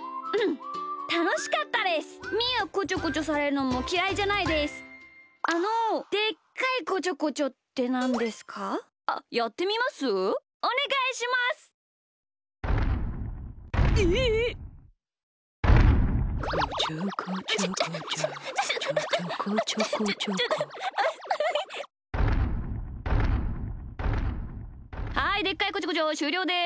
はいでっかいこちょこちょしゅうりょうです。